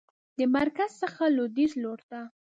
د مرکز څخه لویدیځ لورته